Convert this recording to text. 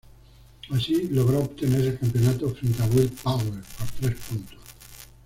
Así logró obtener el campeonato frente a Will Power por tres puntos.